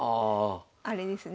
あれですね